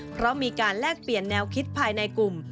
เพราะมีการแลกเปลี่ยนแนวคิดภายในกลุ่ม